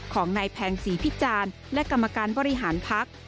ของนายแพงศรีพิจารณ์และกรรมการบริหารพัก